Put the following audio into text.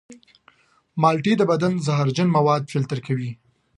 مالټې د بدن زهرجن مواد فلتر کوي.